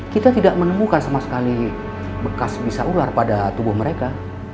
kita tidak menemukan sama sekali bekas bisa ular pada tubuh mereka